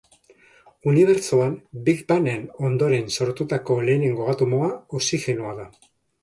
Unibertsoan Big Bang-en ondoren sortutako lehenengo atomoa oxigenoa da.